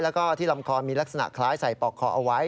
แล้วก็ที่ลำคอมีลักษณะคล้ายใส่ปอกคอเอาไว้